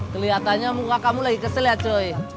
kelihatannya muka kamu lagi kesel ya coy